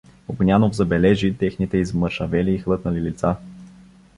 Огнянов забележи техните измършавели и хлътнали лица.